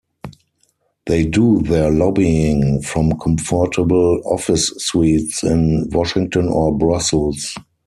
They do their lobbying from comfortable office suites in Washington or Brussels.